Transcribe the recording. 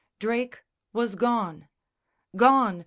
Drake was gone! Gone!